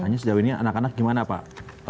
hanya sejauh ini anak anak gimana pak